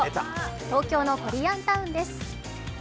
東京のコリアンタウンです。